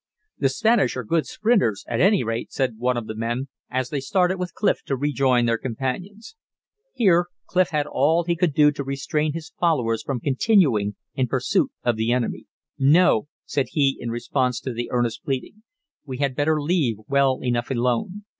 "The Spanish are good sprinters, at any rate," said one of the men, as they started with Clif to rejoin their companions. Here Clif had all he could do to restrain his followers from continuing in pursuit of the enemy. "No," said he in response to the earnest pleading. "We had better leave well enough alone.